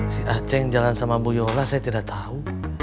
si aceh jalan sama bu yola saya tidak tahu